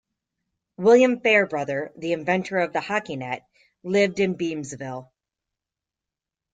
William Fairbrother, the inventor of the hockey net, lived in Beamsville.